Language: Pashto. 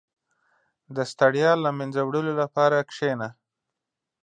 • د ستړیا له منځه وړلو لپاره کښېنه.